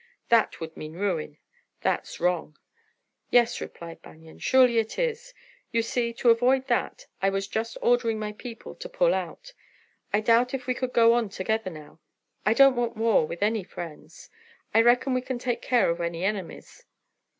That would mean ruin. That's wrong." "Yes," replied Banion, "surely it is. You see, to avoid that, I was just ordering my people to pull out. I doubt if we could go on together now. I don't want war with any friends. I reckon we can take care of any enemies.